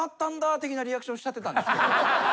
的なリアクションしちゃってたんですけど。